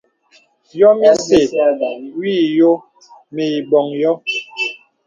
Yɔ̄m isɛ̂ wɔ ìyɔ̄ɔ̄ mə i bɔŋ yɔ̄.